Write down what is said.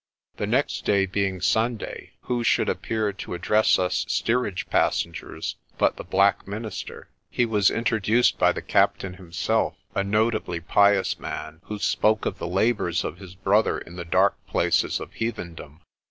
The next day being Sunday, who should appear to address us steerage passengers but the black minister. He was in troduced by the captain himself, a notably pious man, who spoke of the labours of his brother in the dark places of heathendom.